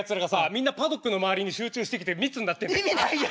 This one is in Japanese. みんなパドックの周りに集中してきて密になってんだよ。